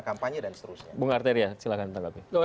kampanye dan seterusnya